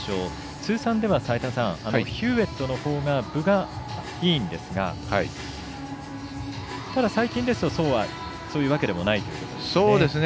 通算ではヒューウェットのほうが分がいいんですがただ、最近ですとそういうわけでもないんですね。